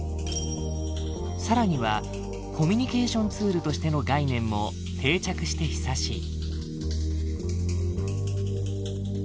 更にはコミュニケーションツールとしての概念も定着して久しい。